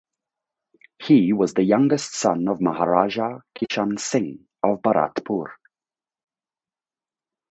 He was the youngest son of Maharaja Kishan Singh of Bharatpur.